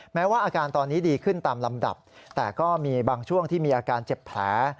แม้ว่าอาการตอนนี้ดีขึ้นตามลำดับแต่ก็มีบางช่วงที่มีอาการเจ็บแผล